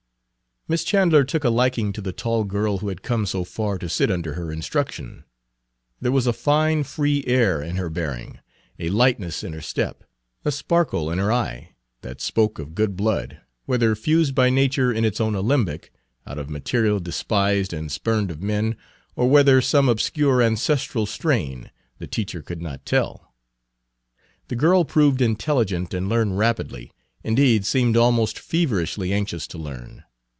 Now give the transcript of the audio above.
Miss Chandler took a liking to the tall girl who had come so far to sit under her instruction. There was a fine, free air in her bearing, a lightness in her step, a sparkle in her eye, that spoke of good blood, whether Page 153 fused by nature in its own alembic, out of material despised and spurned of men, or whether some obscure ancestral strain, the teacher could not tell. The girl proved intelligent and learned rapidly, indeed seemed almost feverishly anxious to learn.